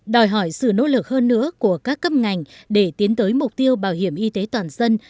đòi hỏi sự nỗ lực hơn nữa của các cấp ngành để tiến tới mục tiêu bảo hiểm y tế toàn dân